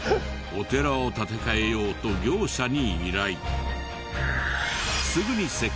お寺を建て替えようと業者に依頼。